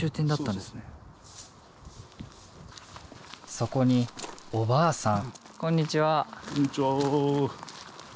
そこにおばあさん。